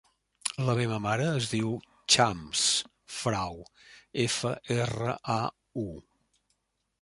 La meva mare es diu Chams Frau: efa, erra, a, u.